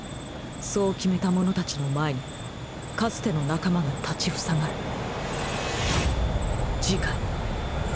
そう決めた者たちの前にかつての仲間が立ち塞がる